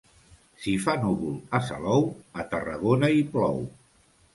Si fa núvol a Salou, a Tarragona hi plou.